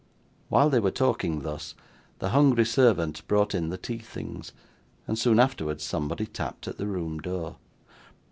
While they were talking thus, the hungry servant brought in the tea things, and, soon afterwards, somebody tapped at the room door.